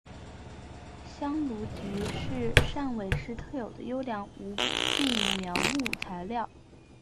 香炉桔是汕尾市特有的优良无病苗木材料。